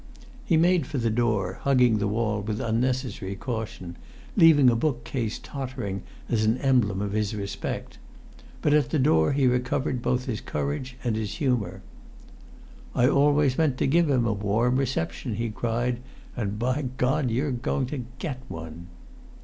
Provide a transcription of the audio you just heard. He made for the door, hugging the wall with unnecessary caution, leaving a bookcase tottering as an emblem of his respect. But at the door he recovered both his courage and his humour. "I always meant to give him a warm reception," he cried "and by God you're going to get one!"